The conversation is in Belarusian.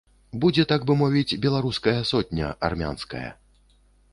Будзе, так бы мовіць, беларуская сотня, армянская.